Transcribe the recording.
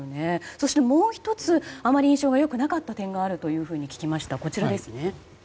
そしてもう１つあまり印象が良くなかった点があると聞きました。